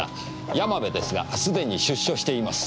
山部ですがすでに出所しています。